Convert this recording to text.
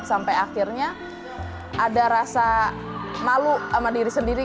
sampai akhirnya ada rasa malu sama diri sendiri